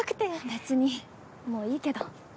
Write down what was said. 別にもういいけど。